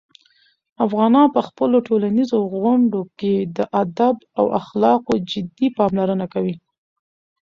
افغانان په خپلو ټولنیزو غونډو کې د "ادب" او "اخلاقو" جدي پاملرنه کوي.